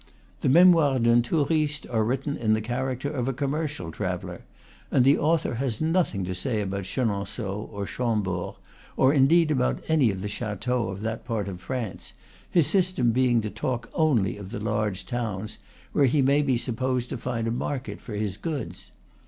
The "Memoires d'un Touriste" are written in the character of a commercial traveller, and the author has nothing to say about Chenonceaux or Chambord, or indeed about any of the chateaux of that part of France; his system being to talk only of the large towns, where he may be supposed to find a market for his goods.